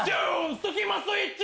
スキマスイッチ！